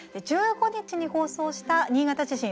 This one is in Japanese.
１５日に放送した新潟地震